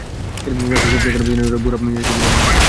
ব্যবসার সবচেয়ে খারাপ জিনিস হল নিজেকে বুড়ো মনে হয় আর বুড়ো দেখায়ও।